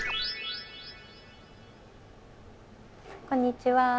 こんにちは。